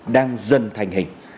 đang dần thành hình